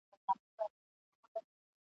طبیب وکتل چي ښځه نابینا ده !.